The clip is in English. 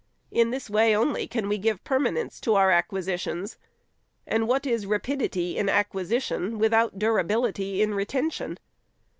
In this way only can we give permanence to our acquisi tions ; and what is rapidity in acquisition, without durability in retention